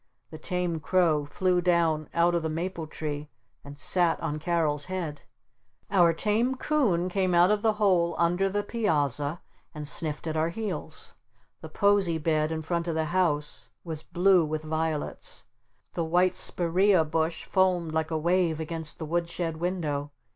The Tame Crow flew down out of the Maple Tree and sat on Carol's head. Our Tame Coon came out of the hole under the piazza and sniffed at our heels. The posie bed in front of the house was blue with violets. The white Spirea bush foamed like a wave against the wood shed window.